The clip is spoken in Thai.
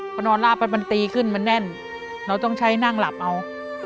พอนอนลาบปั๊บมันตีขึ้นมันแน่นเราต้องใช้นั่งหลับเอา